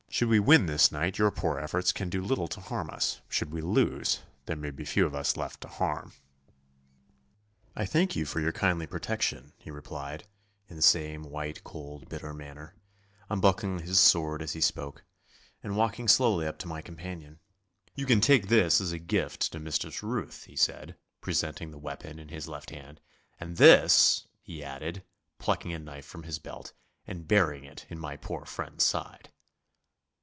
Should we win this night, your poor efforts can do little to harm us. Should we lose, there may be few of us left to harm.' 'I thank you for your kindly protection,' he replied, in the same white, cold, bitter manner, unbuckling his sword as he spoke, and walking slowly up to my companion. 'You can take this as a gift to Mistress Ruth,' he said, presenting the weapon in his left hand, 'and this!' he added, plucking a knife from his belt and burying it in my poor friend's side.